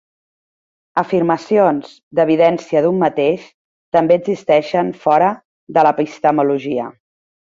Afirmacions d'"evidència d'un mateix" també existeixen fora de l'epistemologia.